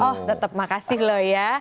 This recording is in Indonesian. oh tetap makasih loh ya